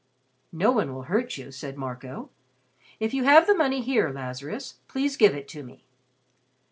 "No one will hurt you," said Marco. "If you have the money here, Lazarus, please give it to me."